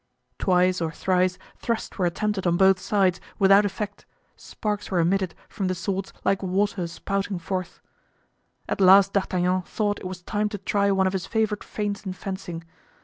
Twice or thrice thrusts were attempted on both sides, without effect; sparks were emitted from the swords like water spouting forth. At last D'Artagnan thought it was time to try one of his favorite feints in fencing.